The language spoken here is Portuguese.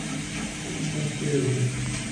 Confresa